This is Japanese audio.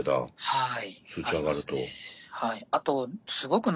はい。